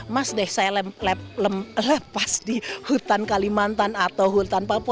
mas deh saya lepas di hutan kalimantan atau hutan papua